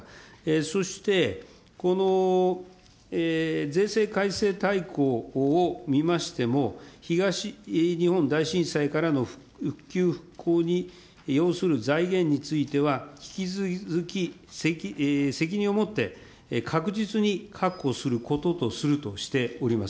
そしてこの税制改正大綱を見ましても、東日本大震災からの復旧復興に要する財源については、引き続き責任を持って確実に確保することとしております。